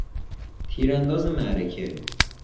تیرانداز معرکه